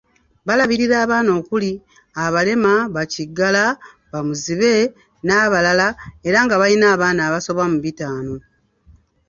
Balabirira abaana okuli; abalema, bakigala, bamuzibe n'abalala era nga balina abaana abasoba mu bitaano.